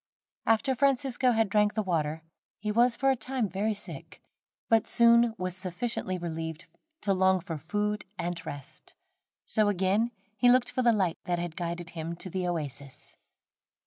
After Francisco had drank the water, he was for a time very sick, but soon was sufficiently relieved to long for food and rest, so again he looked for the light that had guided him to the oasis.